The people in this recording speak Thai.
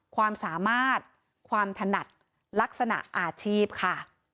ความสามารถความถนัดลักษณะอาชีพค่ะ